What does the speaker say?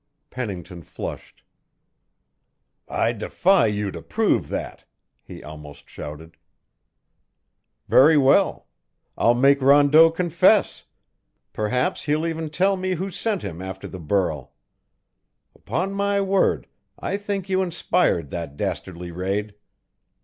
Pennington flushed. "I defy you to prove that," he almost shouted. "Very well. I'll make Rondeau confess; perhaps he'll even tell me who sent him after the burl. Upon my word, I think you inspired that dastardly raid.